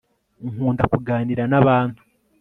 Nkunda kuganira nabantu